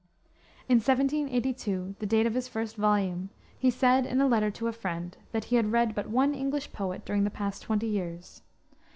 In 1782, the date of his first volume, he said, in a letter to a friend, that he had read but one English poet during the past twenty years.